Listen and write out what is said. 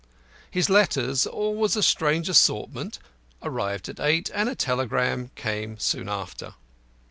His letters, always a strange assortment, arrived at eight, and a telegram came soon after.